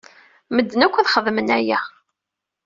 Medden akk ad xedmen aya.